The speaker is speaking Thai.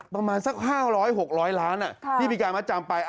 ประมาณสัก๕๐๐๖๐๐ล้านที่มีการมัดจำไป